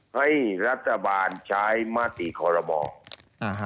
ให้รัฐบาลใช้มาตรีขอระบอบ